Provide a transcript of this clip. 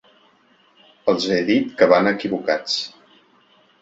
Els he dit que van equivocats.